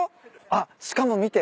あっしかも見て。